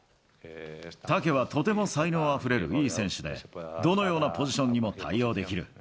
タケはとても才能あふれるいい選手で、どのようなポジションにも対応できる。